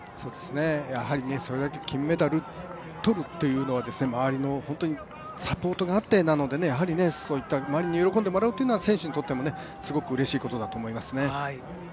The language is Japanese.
それだけ金メダルをとるっていうのは周りのサポートがあってなのでやはり周りに喜んでもらうというのは、選手にとってもすごくうれしいことだと思いますね。